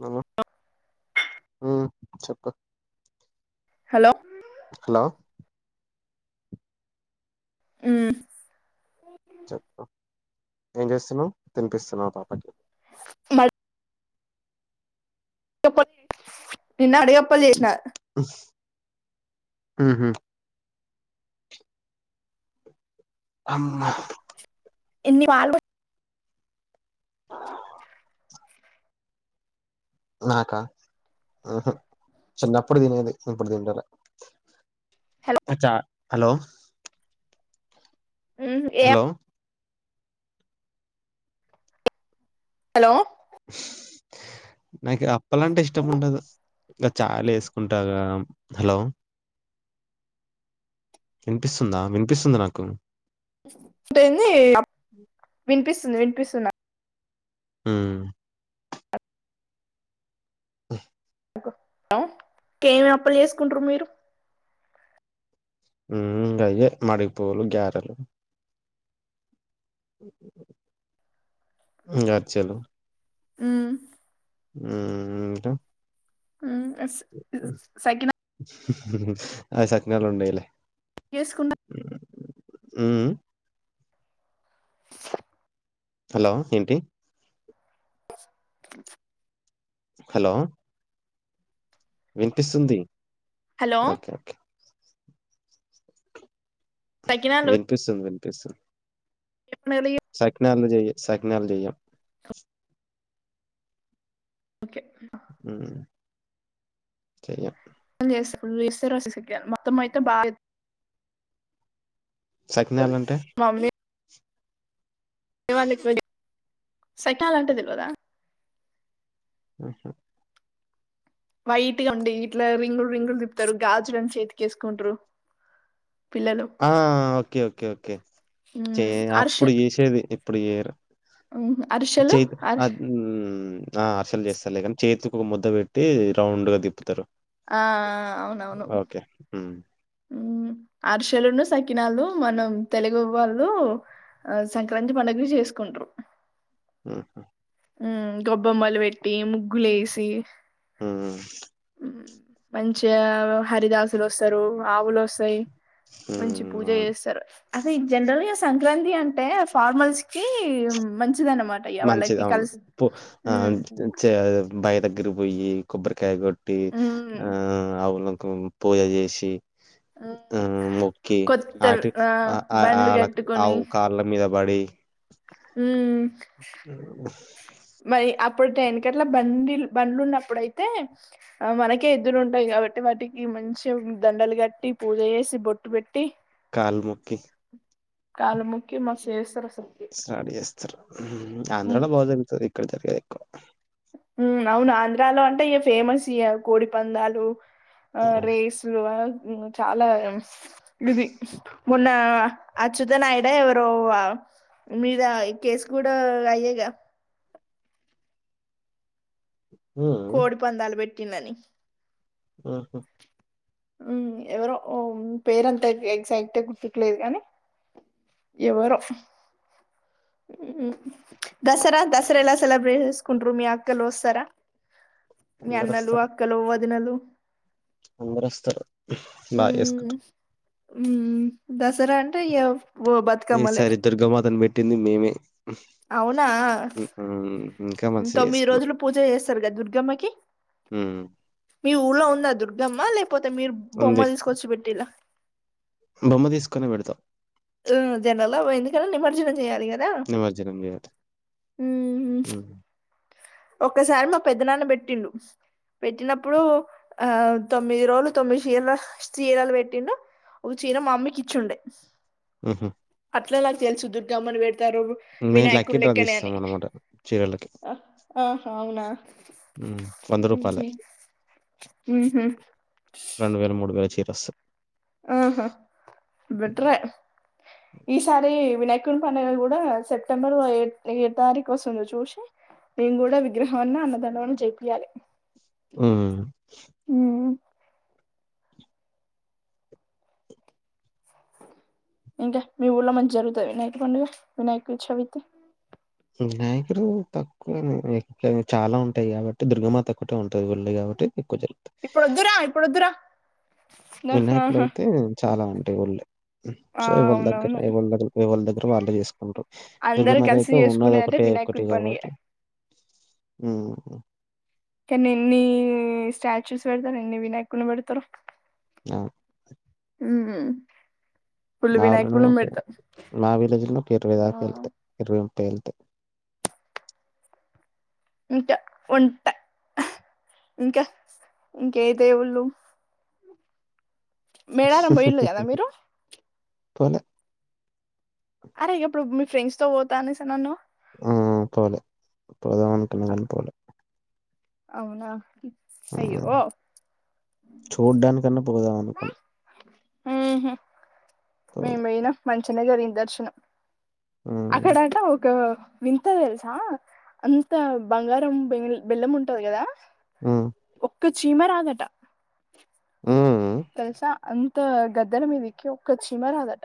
హు హూ చెప్పు. Hello. Hello హ్మ్. చెప్పు ఏం చేస్తున్నావు తినిపిస్తున్నావు పాపకి. మళ్ చెప్ప నిన్న అడిగి. అప్పల్ చేసిన. ఉహుమ్ అమ్మ. ఎన్ని వాళ్ళ. ఆ ఆ. నా కా ఉహు చిన్నప్పుడు తినేది ఇప్పుడు తింటాలే. హలో అచ్చా. హలో. హ్మ్ ఏ. Hello hello. నాకు అప్పలంటే ఇష్టం ఉండదు చ్ లో వేసుకుంటాగా హలో. వినిపిస్తుందా వినిపిస్తుంది నాకు. ఏంది వినిపిస్తు. వినిపి వినిపిస్తుదా. హ్మ్. ఇంకేమి అప్పలు చేసుకుంటారు మీరు. ఉమ్ అయే మడి పూవులు గ్యారెలు. అచ్చలు. హ్మ్. హ్మ్ హ్మ్ ఇంకా. హ్మ్ సకినాల్. హు హు అదే సకినాలు ఉన్నాయి. చేసుకున్నా. ఉహ్. హలో ఏంటి. థ్యాంక్యూ. హలో. వినిపిస్తుంది. Hello okay okay. సకినాలు వినిపిస్తుంది. కే స్. ఏ పండుగలు సకినాల్ జే సకినాల్. అలు చేయం. ఓకే. ఓకే. స్త రాసిల మొత్తం అయితే బాగా. చేత్తది సకినాల్ అంటే. సకినాల్ అంటే తెల్వద. హ. వైట్ గా ఉండి ఇట్లా రింగులు రింగులు తిప్తారు గాజులు అని చేతికి వేసుకుంటారు. ఆ ఓకే ఓకే ఓకే చే మ్మ్ అరిసె అప్పుడు చేసేది. ఇప్పుడు చేయరు. మ్మ్ అరిసెలు చే అరి ఆహా. పలు చేస్తారు లేకని చేతికి ఒక ముద్ద పెట్టి రౌండ్ గా తిపుతారు ఆ అవునవును మ్ అర్షలులను సకినాలు మనం తెలుగు వాళ్ళు ఆ సంక్రాంతి పండుగలు చేసుకుంటారు ఆహా ఉ గొబ్బమ్మలు పెట్టి ముగ్గులు వేసి హ మంచిగా హరిదాసులు వస్తారు ఆవులు వస్తాయి మంచి మ్ పూజ అవును చేస్తారు అదే జనరల్ గా సంక్రాంతి అంటే ఫార్మల్స్ కి మంచి మంచిద అన్నమాట అయ్యా వాళ్ళకి కలిసి హ్మ్. హ్మ్. భయదగ్గర పోయి కొబ్బర్కాయగట్ టి ఆ హ్మ్. అవుళ పూజ చేసి హ్మ్. ఆ మొకి కొత్త అటి ఆహ్, బండ్లు వాళ ఆవు కాళ్ళ మీద పడి హ అ అప్పుడు వెనకట్ల బండి బండ్లు ఉన్నప్పుడుయితే ఆ మనకే ఎదులు ఉంటాయి కాబట్టి వాటికి మంచి దండలు కట్టి పూజ చేసి బొట్టు పెట్టి కాల్ముఖి కాల్ముఖి మస్తు చేస్తారు అసల్కి స్టార్ట్ చేస్తరు ఆంధ్రలో బాగా జరుగుతాది ఏక ఇక్కడ జరిగేది ఏకువ ఉ అవును ఆంధ్రాలో అంటే ఇ ఫేమస్ ఇ కోడిపందాలు ఆ రేస్లు చాలా ఇది మొన్న అచ్యుతనాయుడ ఎవరు మీద కేసు కూడా అయ్యాగా ఉమ్, కోడి పందాలు పెట్టి అని ఆఓహా ఎవరో పేరంతా ఎగ్జైట్ గుర్తికులేదు కానీ ఎవరు దసరా దసరలా సెలబ్రేషస్కుంట్రు మీ అక్కల్ వస్తసార మీ అందరు అన్నలు వస్తారు అక్కలు వది నాలు అందరు వస్తారు బాగా చేసుకుంటాం ఉ దసరా అంటే ఇయ్యవ్ ఈ సారి దుర్గమాతను బెట్ ట్టింది మేమే అవున ఉమ్, ఇంకా మంచిగా తొమ్మిది చేసుకున్నాం రోజులు పూజ చేస్తారు కదా దుర్గమ్మకి ఉమ్, మీ ఊర్లో ఉందా దుర్గమ్మ లేక్ పోతే మీరు ఉంది బొమ్మ తీసుకొచ్చి పెట్టిన్ల బొమ్మ తీసుకొనే పెడతాం ఆ జనల ఎందుకనీ నిమ్మర్జనం చేయాలి కదా నిమజ్జనం చేయాలి ఉమ్ ఒక్కసారి మా పెద్దనాన్న పెట్టిండు పెట్టినప్పుడు ఆ తొమ్మిది రోజులు తొమ్మిది చీరలు చీరలు పెట్టిండు ఒక చీర మా మమ్మీకి ఇచ్చిుండే ఉహు అట్లా నాకు తెలుసు దుర్గమ్మని పెట్ తారువు మేము లక్కీ డ్రా వినాయకున్లెక్కనే తీస్తాం అని అనమాట చీరలకి ఆహా అవునా ఉమ్, వంద రూపాయలే ఉహు ఉహు బస్సు ఆహా బెట్రే ఈసారి వినాయకుని పండుగ కూడా సెప్టెంబర్ ఏ ఏ తారీఖు వస్తుందో చూశి మేము కూడా విగ్రహం అన్న అన్నదానం అన్న చెపియాలి ఉమ్ ఇంకా మీ ఊళ్ళో మంచి జరుగుతద వినాయక పండుగ వినాయక చవితి వినాయకుడు తక్కువ చాలా ఉంటాయి కాబట్టి దుర్గమా ఒక్కటే ఉంటుది వూళ్ళో కాబట్టి ఎక్కువ ఇప్పుడొద్దురా ఇప్పుడొద్దురా వినాయకుడు అయితే చాలా ఉంది దేవుళ్ళే ఆ సో ఎవళ్ళ దగ్గర అవునవును ఎవళ్ళ దగ్గర ఎవళ్ళ దగ్గర వాళ్ళే చేసుకుంటారు అందరు దుర్గమాత కలిసి అయితే ఉన్నది చేసుకునేదంటే ఒకటే ఒకటి వినాయకుని పండుగే కాబట్టి ఉ కానీ ఎన్ని స్టాచ్యూస్ పెడతరు ఎన్ని వినాయకుని పెడతరు అవును ఉహు నా ఊళ్ళోనే నా విలేజ్ లోనే ఒక ఇరవై ఆ, దాకా వెళ్తాయి ఇరవై ట్వెల్త్ ఇంకా ఉంటా ఇంకా ఇంకేదేవుళ్ళు మేడారం పోయిన్లు కదా మీరు అవునా అరె ఎప్పుడో మీ ఫ్రెండ్స్ తో పోతా అనేసినీ అన్నావ్ ఆ పోలే పోదాం అంటున్న కానీ పోలే అవున చూడ్డానికన్నా పోదాం అనుకోన ఊ హు మేం బోయినం మన్ చిన్నగరిన్ దర్శనం హ్మ్. అక్కడట ఒకా వింత తెలుసా అంత బంగారం బె బెల్లం ఉంటది గదా ఉమ్ క చీమరాదట హ్మ్. తెలుసా అంత గద్దెల మీదిక్కి ఒక్క చీమ రాదట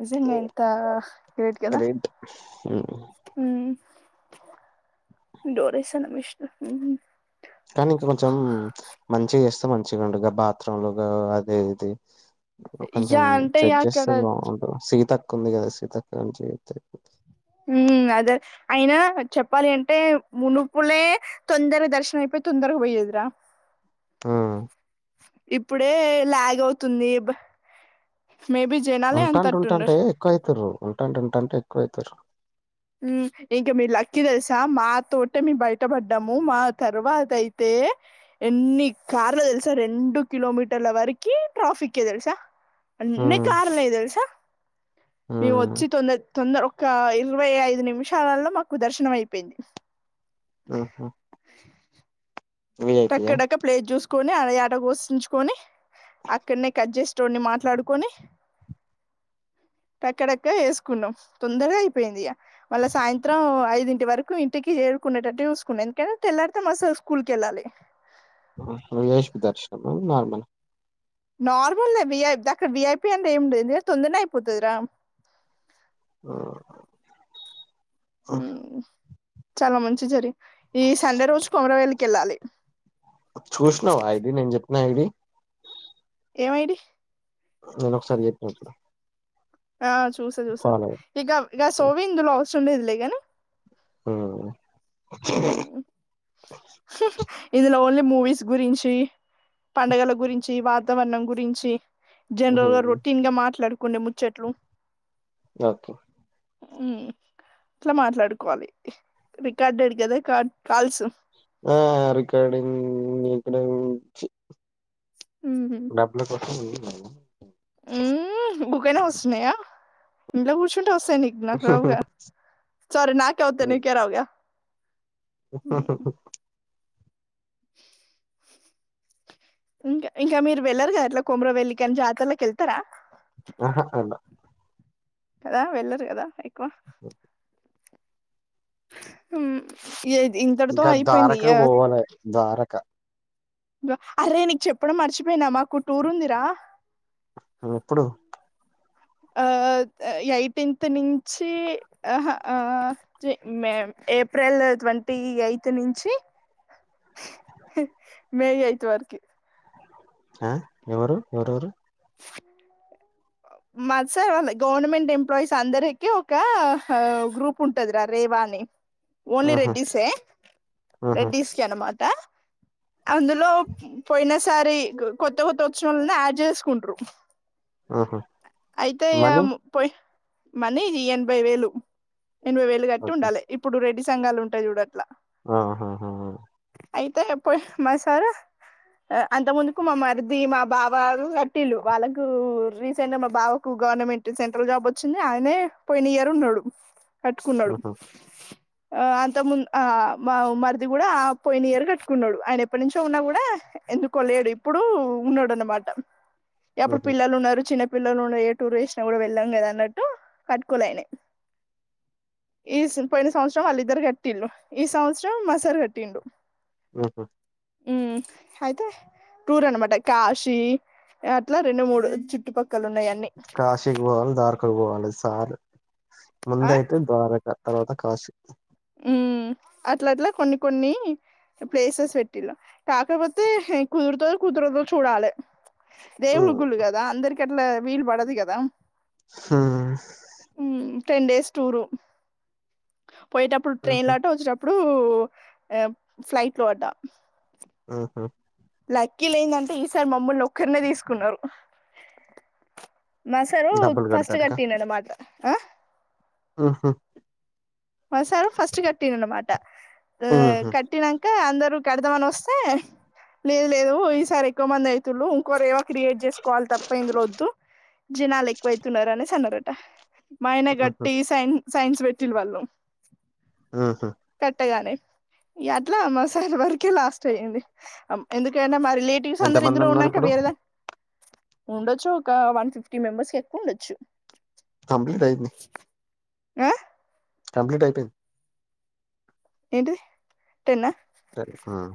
నిజంగా ఎంత హ్మ్. గ్రేట్ కదా ఉం ఉమ్ డోరేషన్ విష్ణు ఉమ్ కానీ ఇంక కొంచెం మంచిగ చేస్తే మంచిగా ఉండగా బాత్రూమ్లు గా అది ఇది కొంచెం యా అంటే చెక్ అక్కడ చేస్తే బాగుంటు సీతక్ కుంది కదా సీతక్క అని చేయిత్తే అయిపోతది ఊమ్ అదే అయినా చెప్పాలి అంటే మునుపులే తొందరగ్ దర్శనం అయిపోయి తొందరగా పోయేదిరా ఆహ్ ఇప్పుడే లాగ్ అవుతుంది బ ఉంటాంటే ఉంటంటే ఎక్కువ అయితూరు ఉంటంటే ఉంటంటే కువైతరు ఊమ్ ఇంకా మీ లక్కి తెలుసా మాతోట మేము బయట పడ్డాము మా తర్వాత అయితే ఎన్ని కార్లు తెలుసా రెండు కిలోమీటర్ల వరకి ట్రాఫిక్కే తెలుసా అన్నీ ఉమ్ కార్లే తెలుసా మేం ఉమ్ ఒచ్చి తొందర్ తొందర కా ఇల్ ఇరవై ఐదు నిమిషాలల్లో మాకు దర్శనం అయిపోయింది ఉ హుమ్ టక్కడక్క ప్లేజ్ జూస్ కొని ఆడ ఆట గోషించుకొని అక్కడనే కట్ చేసటోడిని మాట్లాడుకొని టక్కడక్క వేసుకున్నాం తొందరగా అయిపోయింది మళ్ళా సాయంత్రం ఐదింటి వరకు ఇంటికి చేరికునేటట్టు చూసుకున్నాం ఎందుకంటే తెల్లడితే మసు స్కూల్ కి వెళ్ళాలి [unintelligible] ఉ హు వి ఐ పి దర్శనం ఆ నార్మల్ నార్మలే విఐ అక్కడ విఐపి అంటే ఏమింటంది తొందరనే అయిపోతదిరా ఉమ్ ఉమ్ చాల మం చిజరి ఈ సండే రోజు కొమరవేలి కెళ్ళాలి నైడి ఏమైడి న నొ ఒకసారి చే పతు ఆ చూసా చూసా ఇక ఇక సోవిందులో సుండేది లె కనీ ఆ ఉమ్ ఇందులో ఓన్లీ మూవీస్ గురించి పండగల గురించి వాతావరణం గురించి ఉహు జనరల్ గా రొటీన్ గా మాట్లాడు కుండే ముచ్చట్లు ఓకే ఉమ్ ఇట్లా మాట్లాడుకోవాలి కడ్ అడి కదా క కాలుసు ఆ అర కాడక్కడ ఉమ్ ఉమ్ బుకైనా వస్తున్నాయా ఇంట్లో కూర్చు సని నా కవు గా సారీ నా కవిత నీకే రావుగ ఇంకా ఇంకా మీరు వెళ్లరు కదా ఎట్లా కొమర వెల్లికి అని జాతర్లకి వెళ్తారా ఆహా కదా వెళ్ళరు కదా ఎక్కువ ఉమ్ ఏ ఇంతటితో ఇంకా అయిపోయింది ధారకు ఆ, పోవాల ధ్వారక అరే నీకు చెప్పడం మర్చిపోయినా మాకు టూర్ ఉందిరా ఎప్పుడు ఆ ఎయిటీన్త్ నుంచి మే ఏప్రిల్ ట్వంటీ ఎయిత్ నుంచి మే ఎయిత్ వరకి ఆ ఎవరు ఎవరెవరు మా సార్ వాళ్ళ గవర్నమెంట్ ఎంప్లాయీస్ అందరికి ఒక గ్రూప్ ఉంటదిరా రేవాని ఓన్లీ ఆహా రెడ్డిస్ ఏ ఆహా రెడ్డిస్ కే అనుమా అ అందులో పోయిన సారి కొత్త కొత్త ఉత్సవంల యాడ్ చేసు కుండ్రు ఆహా అయితే య మనీ పోయి మనీ ఎనభై వేలు ఎనభై వేలు కట్టి ఓకే ఉండాలే ఇప్పుడు రెడీస్ సంగాలు ఉంటాయి చూడు అట్లా ఆహాహా అయితే పోయి మా సార్ అంత ముందుకు మా మరిది మా బావా టీలు వాళ్ళకు రీసెంట్ గా మా బావకు గవర్నమెంట్ సెంట్రల్ జాబ్ వచ్చింది. ఆయనే పోయిన ఇయర్ ఉన్నాడు. కట్టుకున్నాడు. ఆహా ఆ అంత ముందు ఆ మా మరిది కూడా పోయిన ఇయర్ కట్టుకున్నాడు. ఆయన ఎప్పటి నుంచో ఉన్నా కూడా ఎందుకోలేడు ఇప్పుడు ఉన్నాడు అనమాట. ఎప్పుడు పిల్లలు ఉన్నారు చిన్న పిల్లలుం ఏ టూర్ వేసినా కూడా వెళ్ళాం కదా అన్నట్టు కట్టుకోలే అయినే ఈ పోయిన సంవత్సరం వాళ్ళిద్దరు కట్టింలు ఈ సంవత్సరం మ సార్ కట్టిండు. ఉహా ఉ అయితే టూర్ అనమాట కాశీ అట్లా రెండు మూడు చుట్టుపక్కల ఉన్నాయి అన్ని కాశక్ బల్ ధార్ క్క పోాలి సాలు ఆ ముందైతే ద్వారకా తర్వాత కాశి ఉ అట్ల అట్లా కొన్ని కొన్ని ప్లేసెస్ పెట్టిళు కాకపోతే కుదురుతో కుదరదొ చూడాలే. ఉమ్ దేవుడుగుళలు కదా అందరికి ఎట్లా వీలు పడదు కదా హ టెన్ డేస్ టూరు పోయేప్పుడు ఉహు ట్రైన్లాట వచ్చేటపుడు ఇప్పుడు ఫ్లైట్ లో ఆట ఆహా లక్కీ లేందంటే ఈసారి మమ్మల్ని ఒక్కరినే తీసుకున్నారు. మసరు డబ్బులు ఫస్ట్ కట్టిండన్నమాట. ఆ ఆహా మ సార్ ఫస్ట్ కటిఅనమాట ఆ ఉహు కట్టినాక అందరు. అందరుకొడదామని వస్తే లే లేదు. ఈసారి ఎక్కువ మంది అైతులు ఇంకో క్రియేట్ చేసుకోవాలి. తప్ప ఇందులో వద్దు జనాలు ఎక్కువ అయితున్నార అనే సన్నారట మైన ఉహు గట్టి సైన్ సైన్స్ పెట్టిలు వాళ్ళు ఉహు కట్టగానే ఇగ అట్లా అమ్మసారి వరకే లాస్ట్ అయ్యంది. హం ఎందుకంట మా రిలేటివ్స్ ఎంత అందరు మంది ఇందరు ఉన్నారు ఉన్నాక ఇప్పుడు వేరేల ఉండొచ్చు ఒక వన్ ఫిఫ్టీ మెంబర్స్ కి ఎక్కువ ఉండొచ్చు. కంప్లీట్ అయింది ఆ కంప్లీట్ టైపింగ్ ఏంటి టెన్ ఆ సరే ఉమ్